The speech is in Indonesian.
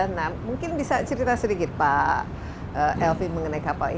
nah mungkin bisa cerita sedikit pak elvin mengenai kapal